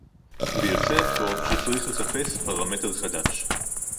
ויוצא אפוא שצריך לחפש פרמטר חדש